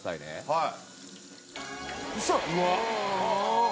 はい。